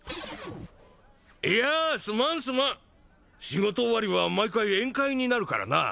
いやすまんすまん仕事終わりは毎回宴会になるからなあ